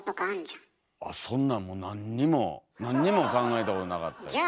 あっそんなんもう何にも何にも考えたことなかったです。